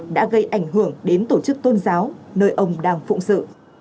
đã gây ảnh hưởng đến tổ chức tôn giáo nơi ông đang phụng sự